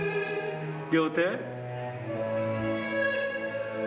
両手。